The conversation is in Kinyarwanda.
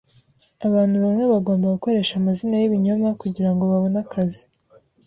Abantu bamwe bagombaga gukoresha amazina y'ibinyoma kugirango babone akazi.